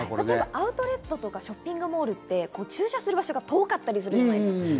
アウトレットとかショッピングモールって、駐車する場所が遠かったりするじゃないですか。